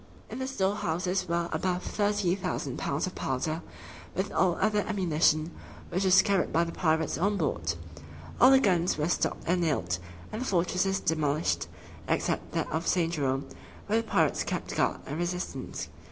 In the storehouses were above thirty thousand pounds of powder, with all other ammunition, which was carried by the pirates on board. All the guns were stopped and nailed, and the fortresses demolished, except that of St. Jerome, where the pirates kept guard and resistance.